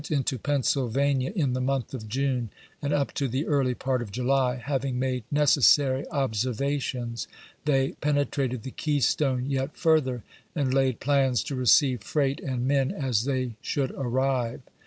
19 into Pennsylvania in the month of Jung, and up to the early part of July, having made necessary observations, they pene trated the Keystone yet further, and laid plans to receive freight and men as they should arrive.